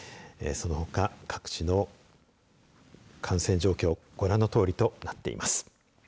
その他、各地の感染状況ご覧のとおりとなっています。